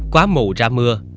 quá mù ra mưa